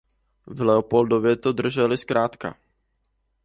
V Leopoldově to drželi zkrátka.